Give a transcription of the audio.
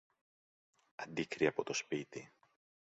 Αντίκρυ από το σπίτι